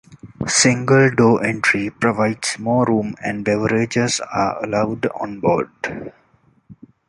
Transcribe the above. Single door entry provides more room and beverages are allowed on board.